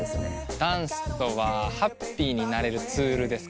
ダンスとはハッピーになれるツールですか。